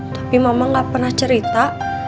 tapi mama gak pernah cerita